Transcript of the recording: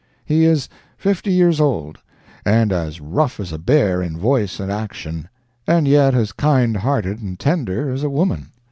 He is fifty years old, and as rough as a bear in voice and action, and yet as kind hearted and tender as a woman.